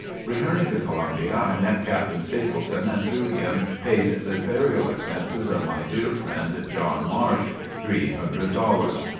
Returning to Columbia, I met Captain Stepleton and through him paid the burial expenses of my dear friend, John Marsh, three hundred dollars.